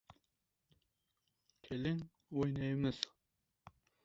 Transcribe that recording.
Tursun tong saharlab uyg‘ondi.